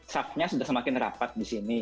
subnya sudah semakin rapat di sini